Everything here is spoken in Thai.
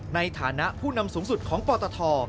ในฐานะผู้นำสูงสุดของปตท